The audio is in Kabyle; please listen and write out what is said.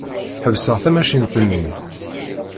Ḥebseɣ tamacint-nni.